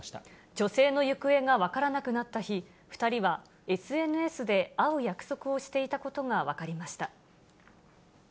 女性の行方が分からなくなった日、２人はＳＮＳで会う約束をしていたことが分かりました。